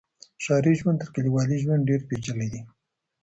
ښاري ژوند تر کلیوالي ژوند ډیر پیچلی دی.